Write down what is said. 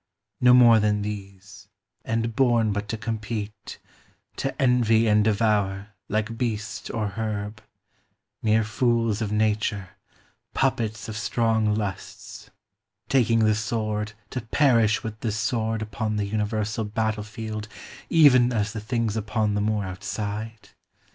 No more than these ; and born but to compete, — To envy and devour, like beast or herb ; Mere fools of nature, puppets of strong lusts. CHRISTMAS DAY. 9 Taking the sword, to perish with the sword Upon the universal battlefield, Even as the things upon the moor outside